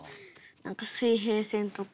何か「水平線」とか。